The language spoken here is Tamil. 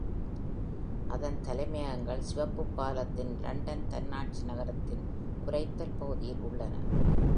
அதன் தலைமையகங்கள், சிவப்புப்பாலத்தின் லண்டன் தன்னாட்சி நகரத்தின் குரைத்தல் பகுதியில் உள்ளன.